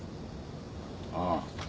ああ。